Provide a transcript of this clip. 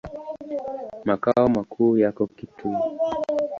Makao makuu yako Kitui.